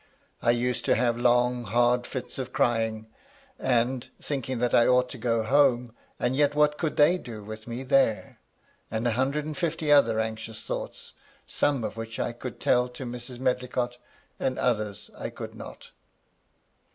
I used to have long, hard fits of crying ; and, thinking that I ought to go home — and yet what could they do with me there? — and a hundred and fifty other anxious thoughts, some of which I could tell to Mrs. Medlicott, and others I could not.